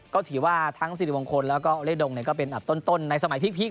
ก็ถือว่าทั้งสิริมงคลและโอเลดงต้นในสมัยพีค